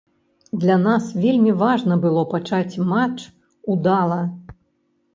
Для нас вельмі важна было пачаць матч удала.